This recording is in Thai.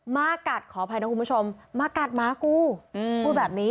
มากัดขออภัยนะคุณผู้ชมมากัดหมากูพูดแบบนี้